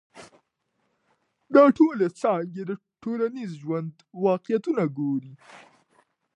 دا ټولي څانګي د ټولنیز ژوند واقعیتونه ګوري.